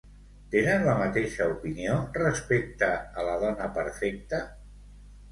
Tenen la mateixa opinió respecte a la dona perfecta?